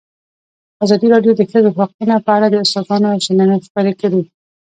ازادي راډیو د د ښځو حقونه په اړه د استادانو شننې خپرې کړي.